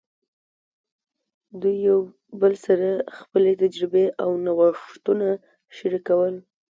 دوی یو بل سره خپلې تجربې او نوښتونه شریکول.